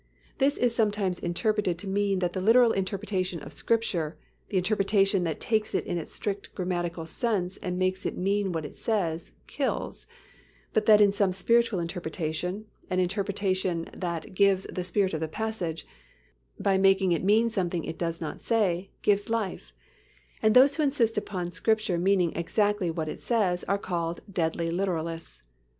(1) This is sometimes interpreted to mean that the literal interpretation of Scripture, the interpretation that takes it in its strict grammatical sense and makes it mean what it says, kills; but that some spiritual interpretation, an interpretation that "gives the spirit of the passage," by making it mean something it does not say, gives life; and those who insist upon Scripture meaning exactly what it says are called "deadly literalists."